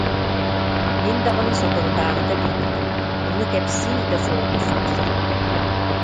Мин даҕаны соторутааҕыта билбитим, ону кэпсиир да солото суох сырыттым